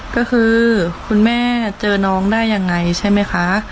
ก็คือคุณแม่เจอน้องได้ยังไงใช่ไหมคะ